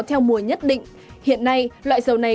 theo mùa nhất định hiện nay loại sầu này